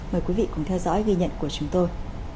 mời quý vị cùng theo dõi ghi nhận của chúng tôi